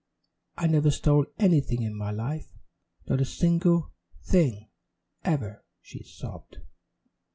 "I never stole anything in my life not a single thing ever," she sobbed.